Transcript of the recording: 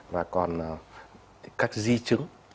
và còn các di chứng